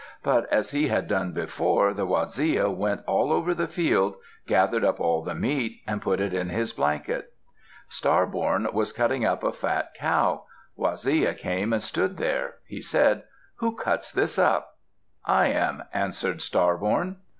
But, as he had done before, the Waziya went all over the field, gathered up all the meat, and put it in his blanket. Star born was cutting up a fat cow. Waziya came and stood there. He said, "Who cuts this up?" "I am," answered Star born.